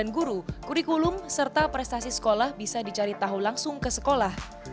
dan guru kurikulum serta prestasi sekolah bisa dicari tahu langsung ke sekolah